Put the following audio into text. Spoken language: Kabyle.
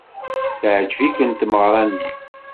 Teɛjeb-iken tmeɣra-nni?